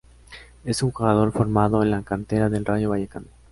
Es un jugador formado en la cantera del Rayo Vallecano.